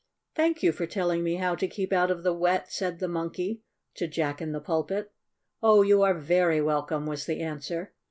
"Thank you for telling me how to keep out of the wet," said the Monkey to Jack in the Pulpit. "Oh, you are very welcome," was the answer.